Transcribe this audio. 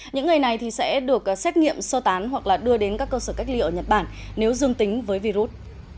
những người này sẽ được xét nghiệm sơ tán hoặc đưa đến các cơ sở cách ly ở nhật bản nếu dương tính với virus